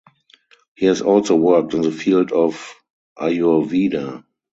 He has also worked in the field of Ayurveda.